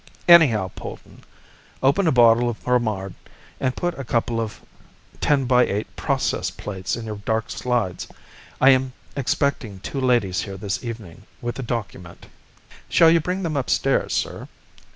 Anyhow, Polton, open a bottle of Pommard and put a couple of ten by eight 'process' plates in your dark slides. I am expecting two ladies here this evening with a document." "Shall you bring them upstairs, sir?"